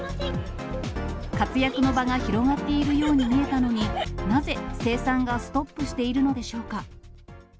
活躍の場が広がっているように見えたのに、なぜ、生産がストップしているのでしょうか。